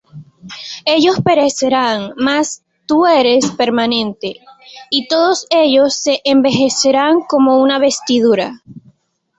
Ellos perecerán, mas tú eres permanente; Y todos ellos se envejecerán como una vestidura;